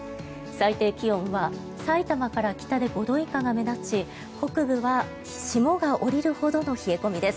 最低気温は、さいたまから北で５度以下が目立ち北部は霜が降りるほどの冷え込みです。